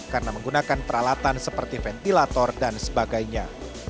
karena menggunakan peralatan seperti ventilator dan sebagainya